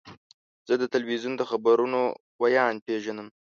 زه د تلویزیون د خبرونو ویاند پیژنم.